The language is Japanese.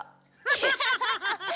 ハハハハ！